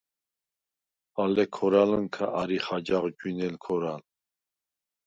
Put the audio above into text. ალე ქორალჷნქა არიხ აჯაღ ჯვინელ ქორალ.